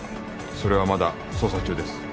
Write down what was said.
それはまだ捜査中です。